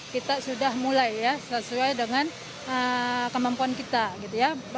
kita sudah mulai ya sesuai dengan kemampuan kita